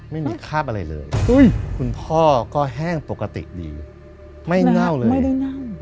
ไม่มีคราบอะไรเลยคุณพ่อก็แห้งปกติดีไม่เน่าเลยไม่ได้เน่า